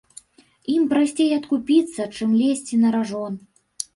Ім прасцей адкупіцца, чым лезці на ражон.